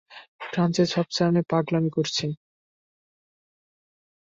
Francis ভাবছে, আমি পাগলামি করছি।